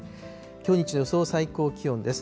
きょう日中の予想最高気温です。